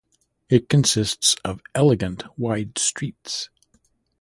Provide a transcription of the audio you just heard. It consists of elegant wide streets.